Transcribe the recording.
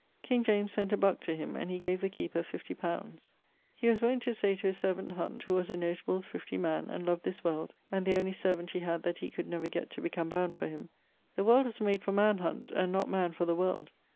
King James sent a buck to him, and he gave the keeper fifty pounds. He was wont to say to his servant Hunt, (who was a notable thrifty man, and loved this world, and the only servant he had that he could never gett to become bound for him) 'The world was made for man, Hunt; and not man for the world.'